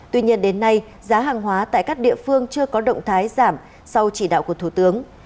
tuy nhiên đến nay giá hàng hóa tại các địa phương chưa có động thái giảm sau chỉ đạo của thủ tướng